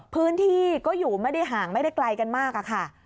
พื้นที่ก็อยู่ไม่ได้ห่างไม่ได้ไกลกันมากอะค่ะ